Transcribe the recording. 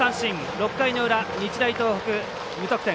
６回の裏日大東北、無得点。